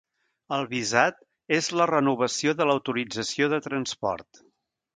El visat és la renovació de l'autorització de transport.